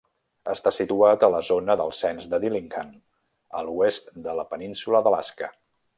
Està situat a la zona del cens de Dillingham, a l'oest de la península d'Alaska.